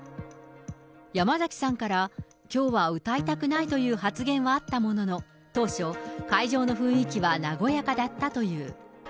山崎さんからきょうは歌いたくないという発言はあったものの、当初、会場の雰囲気は和やかだったという。